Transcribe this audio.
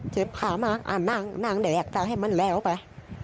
เจ็บขามากนั่งแดกตาให้มันแล้วไป